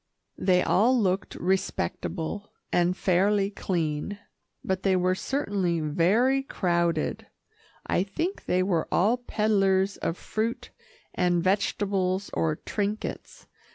They all looked respectable and fairly clean, but they were certainly very crowded. I think they were all peddlers of fruit and vegetables or trinkets.